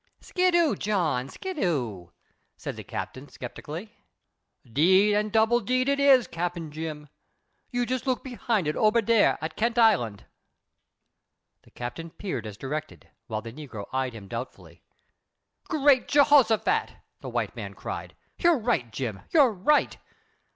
"Skidoo, John, skidoo," said the Captain, skeptically. "'Deed an' double deed, it is, Cap. Jim. You jes' look behind it ober dar at Kent Island." The Captain peered as directed, while the negro eyed him doubtfully. "Great Jehoshaphat!" the white man cried. "You're right, John, you're right.